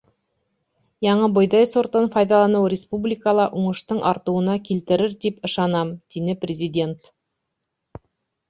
— Яңы бойҙай сортын файҙаланыу республикала уңыштың артыуына килтерер тип ышанам, — тине Президент.